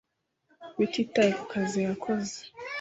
bititaye ku kazi yakoze